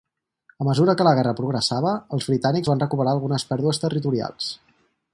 A mesura que la guerra progressava, els britànics van recuperar algunes pèrdues territorials.